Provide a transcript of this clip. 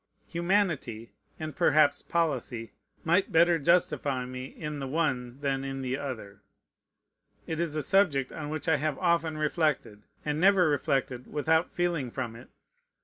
Humanity, and perhaps policy, might better justify me in the one than in the other. It is a subject on which I have often reflected, and never reflected without feeling from it.